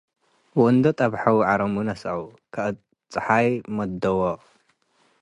ወእንዶ ጠብሐው ዐረሙ ነስአው ከእት ጸሓይ መደ'ዎ '።